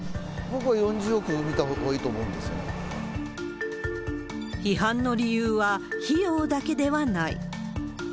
僕は４０億は見たほうがいいと思批判の理由は、費用だけではない。